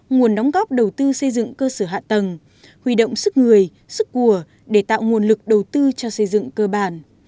nguồn đóng góp đầu tư xây dựng cơ sở hạ tầng huy động sức người sức của để tạo nguồn lực đầu tư cho xây dựng cơ bản